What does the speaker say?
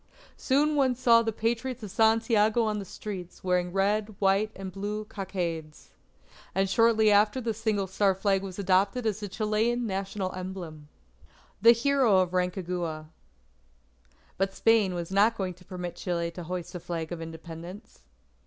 Soon one saw the Patriots of Santiago on the streets, wearing red, white, and blue cockades. And shortly after this the Single Star Flag was adopted as the Chilean national emblem. THE HERO OF RANCAGUA But Spain was not going to permit Chile to hoist a Flag of Independence.